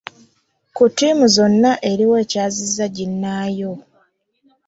Ku ttiimu zonna eriwa ekyazizza ginnaayo.